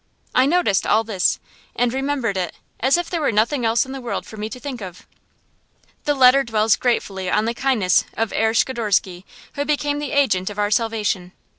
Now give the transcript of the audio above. I noticed all this and remembered it, as if there were nothing else in the world for me to think of. The letter dwells gratefully on the kindness of Herr Schidorsky, who became the agent of our salvation.